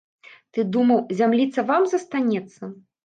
Ты думаў, зямліца вам застанецца?